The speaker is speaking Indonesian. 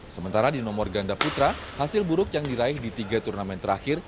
sementara di nomor ganda putra hasil buruk yang diraih di tiga turnamen terakhir